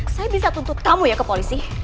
saya bisa tuntut kamu ya ke polisi